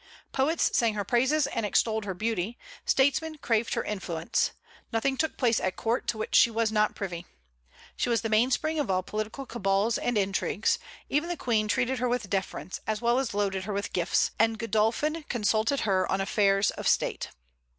Poets sang her praises and extolled her beauty; statesmen craved her influence. Nothing took place at court to which she was not privy. She was the mainspring of all political cabals and intrigues; even the Queen treated her with deference, as well as loaded her with gifts, and Godolphin consulted her on affairs of State.